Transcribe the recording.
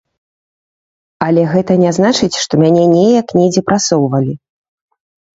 Але гэта не значыць, што мяне неяк недзе прасоўвалі.